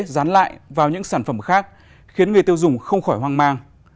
dán lại vào những sản phẩm khác khiến người tiêu dùng không khỏi hoang mang